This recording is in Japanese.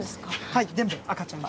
はい全部赤ちゃんクラゲ。